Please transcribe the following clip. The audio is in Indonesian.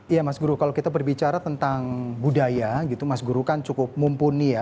iya mas guru kalau kita berbicara tentang budaya gitu mas guru kan cukup mumpuni ya